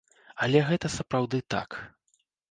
Але гэта сапраўды так.